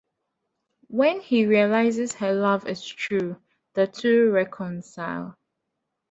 When he realizes her love is true, the two reconcile.